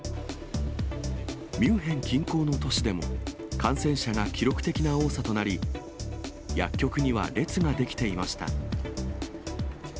ミュンヘン近郊の都市でも、感染者が記録的な多さとなり、薬局には列が出来ていました。